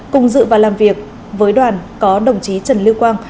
cùng dự và làm việc với đoàn có đồng chí trần lưu quang